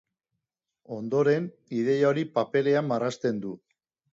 Ondoren, ideia hori paperean marrazten du.